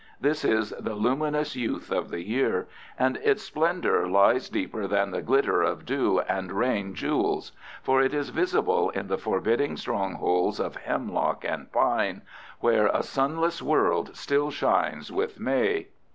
This is the luminous youth of the year, and its splendor lies deeper than the glitter of dew and rain jewels, for it is visible in the forbidding strongholds of hemlock and pine, where a sunless world still shines with May.